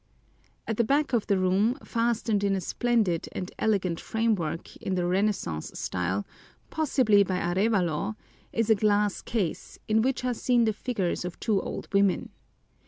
At the back of the room, fastened in a splendid and elegant framework, in the Renaissance style, possibly by Arévalo, is a glass case in which are seen the figures of two old women.